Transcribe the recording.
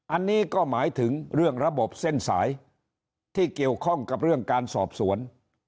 อันนี้ก็หมายถึงเรื่องระบบเส้นสายที่เกี่ยวข้องกับเรื่องการสอบสวน